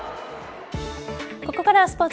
ここからはスポーツ。